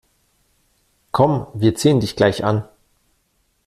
Komm, wir ziehen dich gleich an.